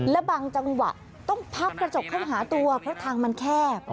และบางจังหวะต้องพับกระจกเข้าหาตัวเพราะทางมันแคบ